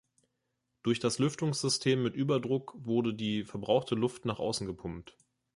Durch das Lüftungssystem mit Überdruck wurde die verbrauchte Luft nach außen gepumpt.